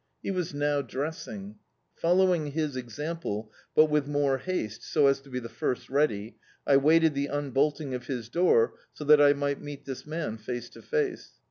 He was now dressing. Following fats example, but with more haste, so as to be the first ready, I waited the unbolting of his door, so that I might meet this man face to face.